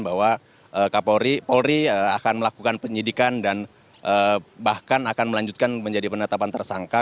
bahwa kak paul ri akan melakukan penyidikan dan bahkan akan melanjutkan menjadi penetapan tersangka